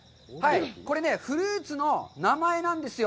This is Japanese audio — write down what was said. これね、フルーツの名前なんですよ。